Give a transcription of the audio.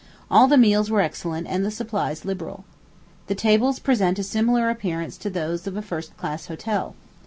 All the meals were excellent, and the supplies liberal. The tables present a similar appearance to those of a first class hotel.